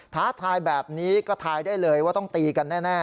ท้าทายแบบนี้ก็ทายได้เลยว่าต้องตีกันแน่